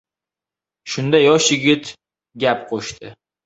Shunda, yosh yigit gap qo‘shdi: